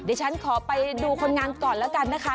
ดิฉันขอไปดูคนงานก่อนแล้วกันนะคะ